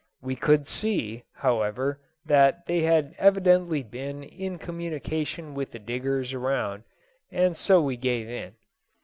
We could see, however, that they had evidently been in communication with the diggers around, and so we gave in.